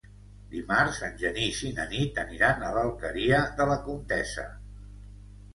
Dimarts en Genís i na Nit aniran a l'Alqueria de la Comtessa.